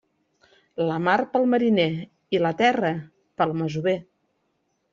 La mar pel mariner i la terra pel masover.